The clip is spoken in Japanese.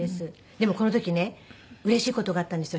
でもこの時ねうれしい事があったんですよ